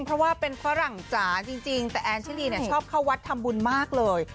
เพราะว่าเป็นฝรั่งจ๋าจริงแต่แอนชิลีเนี่ยชอบเข้าวัดทำบุญมากเลย